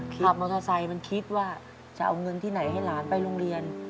ขับมอเตอร์ไซค์มันคิดว่าจะเอาเงินที่ไหนให้หลานไปโรงเรียน